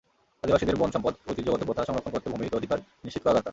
আদিবাসীদের বন, সম্পদ, ঐতিহ্যগত প্রথা সংরক্ষণ করতে ভূমির অধিকার নিশ্চিত করা দরকার।